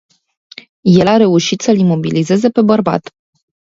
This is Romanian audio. El a reușit să-l imobilizeze pe bărbat.